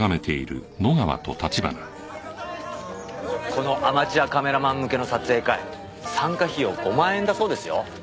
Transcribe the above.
このアマチュアカメラマン向けの撮影会参加費用５万円だそうですよ。